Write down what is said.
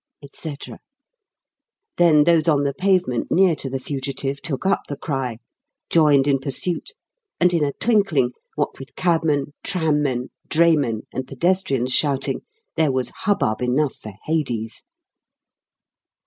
et cetera; then those on the pavement near to the fugitive took up the cry, joined in pursuit, and in a twinkling, what with cabmen, tram men, draymen, and pedestrians shouting, there was hubbub enough for Hades.